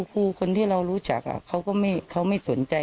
พูดง่ายใช่